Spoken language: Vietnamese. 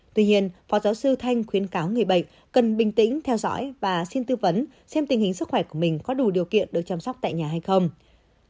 tuy nhiên phó giáo sư thanh khuyến cáo người bệnh cần bình tĩnh theo dõi và xin tư vấn xem tình hình sức khỏe của mình có đủ điều kiện được chăm sóc tại nhà hay không